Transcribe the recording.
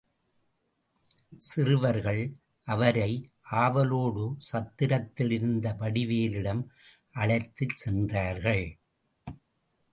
சிறுவர்கள் அவரை ஆவலோடு சத்திரத்தில் இருந்த வடிவேலிடம் அழைத்துச் சென்றார்கள்.